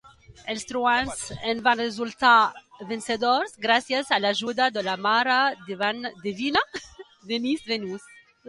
Els troians en van resultar vencedors gràcies a l'ajuda de la mare divina d'Enees, Venus.